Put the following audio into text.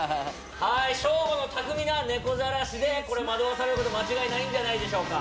はいショーゴの巧みなネコじゃらしでこれ惑わされること間違いないんじゃないでしょうか